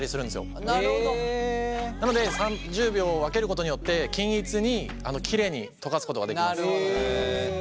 なので３０秒を分けることによって均一にきれいに溶かすことができます。